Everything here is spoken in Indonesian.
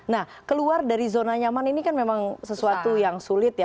nah keluar dari zona nyaman ini kan memang sesuatu yang sulit ya